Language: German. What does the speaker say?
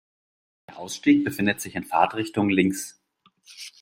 Der Ausstieg befindet sich in Fahrtrichtung links.